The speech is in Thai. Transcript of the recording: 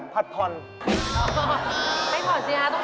ผัดทอนอ๋อไม่เหมาะจริงนะครับ